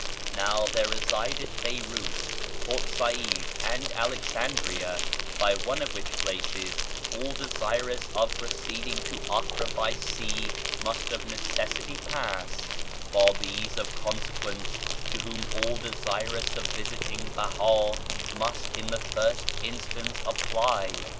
Now there reside at Beyrout, Port Said, and Alexandria (by one of which places all desirous of proceeding to Acre by sea must of necessity pass) Bábís of consequence to whom all desirous of visiting Behá must in the first instance apply.